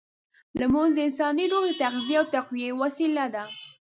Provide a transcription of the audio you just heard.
لمونځ د انساني روح د تغذیې او تقویې وسیله ده.